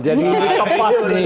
jadi tepat nih